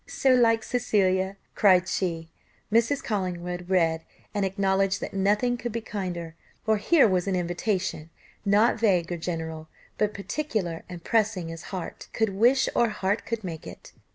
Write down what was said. so like Cecilia," cried she. Mrs. Collingwood read and acknowledged that nothing could be kinder, for here was an invitation, not vague or general, but particular, and pressing as heart could wish or heart could make it.